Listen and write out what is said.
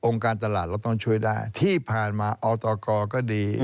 การตลาดเราต้องช่วยได้ที่ผ่านมาอตกก็ดี